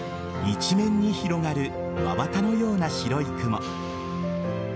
一面に広がる真綿のような白い雲。